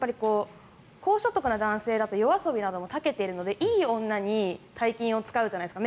高所得な男性だと夜遊びなども長けているのでいい女に大金を使うじゃないですか。